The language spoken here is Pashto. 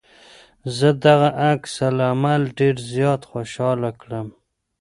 زه دغه عکس العمل ډېر زيات خوشحاله کړم.